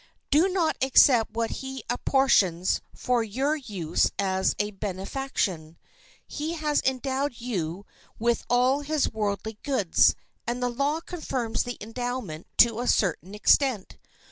Do not accept what he apportions for your use as a benefaction. He has endowed you with all his worldly goods, and the law confirms the endowment to a certain extent.